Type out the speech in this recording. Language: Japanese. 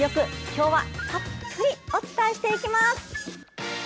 今日はたっぷりお伝えします。